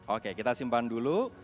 oke kita simpan dulu